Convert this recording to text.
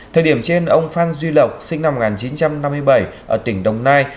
thời điểm trên ông phan duy lộc sinh năm một nghìn chín trăm năm mươi bảy ở tỉnh đồng nai